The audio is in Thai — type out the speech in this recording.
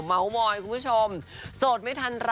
เหมามอยสุดไปเลยค่ะ